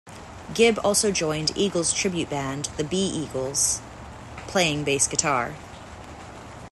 Gibb also joined Eagles tribute band, The B-Eagles, playing bass guitar.